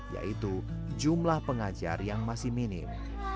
yaitu jumlah pengajar yang masih minim